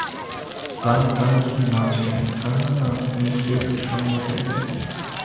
কারণ তাহারা যদি না আসে, তাহারা নিশ্চয়ই উৎসন্ন যাইবে।